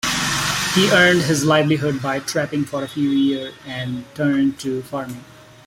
He earned his livelihood by trapping for a few years, then turned to farming.